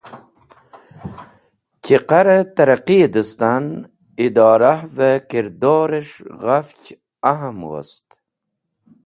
Chiqare Taraqqiye distan, Idorahve Kirdores̃h ghafch ahm wost.